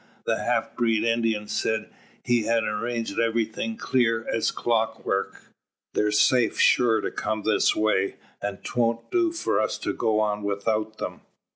The half breed Indian said he had arranged everything clear as clock work. They're safe sure to come this way, and 'twont do for us to go on without them.